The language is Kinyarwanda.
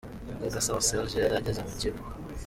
Ubwo Gasore Serge yari ageze mu kigo.